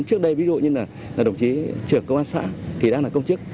trước đây ví dụ như là đồng chí trưởng công an xã thì đang là công chức